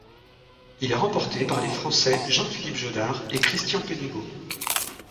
Il est remporté par les Français Jean-Philippe Jodard et Christian Penigaud.